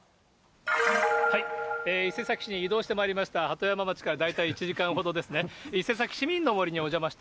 伊勢崎市に移動してまいりました、鳩山町から大体１時間ほどですね。